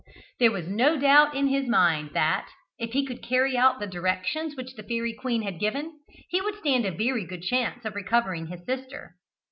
There was no doubt in his mind that, if he could only carry out the directions which the Fairy Queen had given, he would stand a very good chance of recovering his sister.